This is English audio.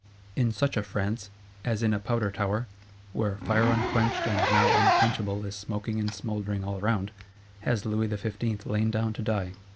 In such a France, as in a Powder tower, where fire unquenched and now unquenchable is smoking and smouldering all round, has Louis XV. lain down to die.